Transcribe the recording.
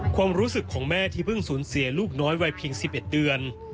ความรู้สึกของแม่ที่เพิ่งสูญเสียลูกน้อยวัยเพียง๑๑เดือน